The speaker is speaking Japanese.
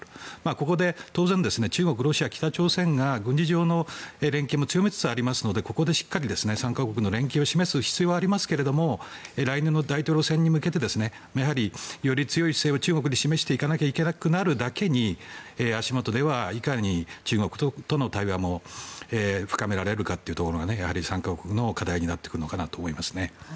ここで当然中国、ロシア、北朝鮮が軍事上の連携も強めつつありますのでここでしっかり３か国の連携を示す必要はありますが来年の大統領選に向けてより強い姿勢を中国に示していかなくてはならなくなるだけに足元ではいかに中国との対話も深められるかというところが３か国の課題になってくるかと思います。